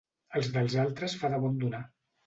El dels altres fa de bon donar.